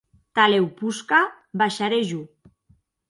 Tanlèu posca baisharè jo.